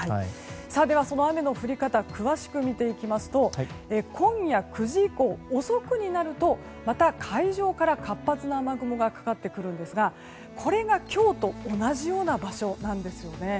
その雨の降り方を詳しく見ていきますと今夜９時以降、遅くになるとまた、海上から活発な雨雲がかかってくるんですがこれが今日と同じような場所なんですよね。